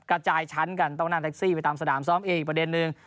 กระจายชั้นกันต้องนั่งแท็กซี่ไปตามสนามซ้อมอีกประเด็นนึง